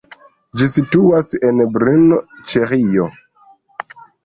Ĝi situas en Brno, Ĉeĥio.